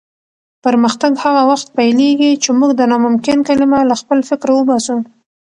پرمختګ هغه وخت پیلېږي چې موږ د ناممکن کلمه له خپل فکره وباسو.